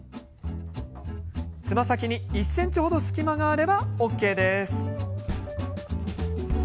つま先に１ｃｍ程隙間があればＯＫです。